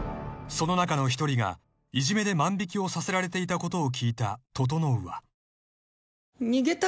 ［その中の一人がいじめで万引をさせられていたことを聞いた整は］